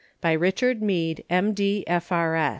By Richard Mead, M. D. F. R.